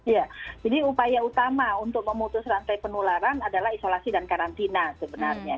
ya jadi upaya utama untuk memutus rantai penularan adalah isolasi dan karantina sebenarnya